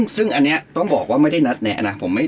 ซึ่งอันนี้ต้องบอกว่าไม่ได้นัดในอนาคต